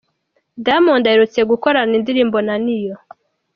Diamond aherutse gukorana indirimbo na Ne-Yo.